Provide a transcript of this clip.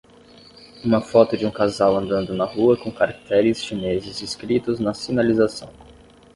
Uma foto de um casal andando na rua com caracteres chineses escritos na sinalização.